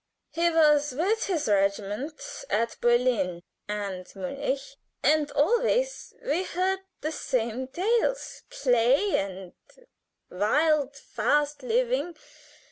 He was with his regiment at Berlin and Munich, and . And always we heard the same tales play, and wild, fast living.